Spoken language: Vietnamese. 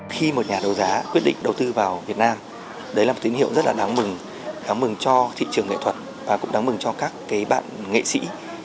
khi một nhà đấu giá quyết định đầu tư vào việt nam đấy là một tín hiệu rất là đáng mừng đáng mừng cho thị trường nghệ thuật và cũng đáng mừng cho các bạn nghệ sĩ